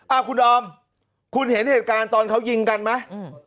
อ้าวคุณออมคุณเห็นเหตุการณ์ตอนเขายิงกันมั้ย